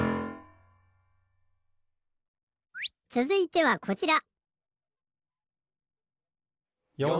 つづいてはこちら。